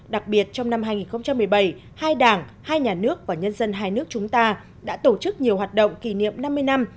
đặc biệt trong năm hai nghìn một mươi bảy hai đảng hai nhà nước và nhân dân hai nước chúng ta đã tổ chức nhiều hoạt động kỷ niệm năm mươi năm